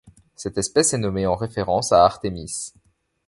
Cette espèce est nommée en référence à Artémise.